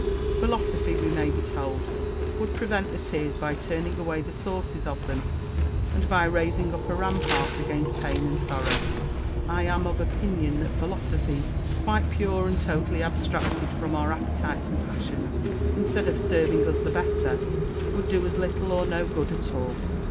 Philosophy, we may be told, would prevent the tears by turning away the sources of them, and by raising up a rampart against pain and sorrow. I am of opinion that philosophy, quite pure and totally abstracted from our appetites and passions, instead of serving us the better, would do us little or no good at all.